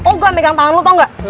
oh gak megang tangan lu tau gak